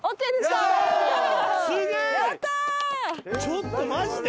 ちょっとマジで？